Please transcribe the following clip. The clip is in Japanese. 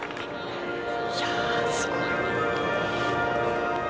いやあ、すごい。